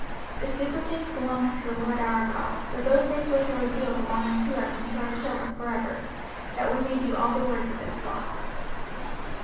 05:029:029 The secret things belong unto the LORD our God: but those things which are revealed belong unto us and to our children for ever, that we may do all the words of this law.